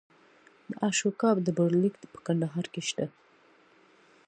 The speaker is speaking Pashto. د اشوکا ډبرلیک په کندهار کې شته